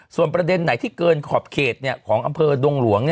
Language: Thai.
ส่วนประเด็นไหนที่เกินขอบเขตของอำเภอดงหลวง